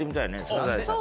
「サザエさん」。